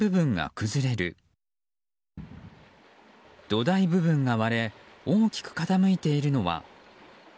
土台部分が割れ大きく傾いているのは。